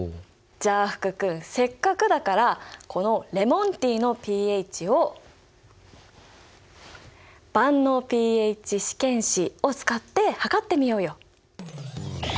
じゃあ福君せっかくだからこのレモンティーのｐＨを万能ｐＨ試験紙を使って測ってみようよ。